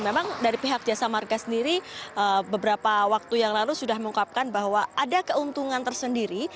memang dari pihak jasa marga sendiri beberapa waktu yang lalu sudah mengungkapkan bahwa ada keuntungan tersendiri